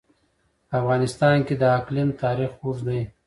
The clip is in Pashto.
په افغانستان کې د اقلیم تاریخ اوږد دی.